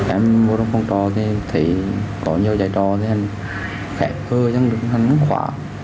em mua phòng trò thì có nhiều giải trò thì em khẽ thưa chẳng được hành quả